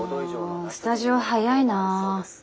あスタジオ早いな。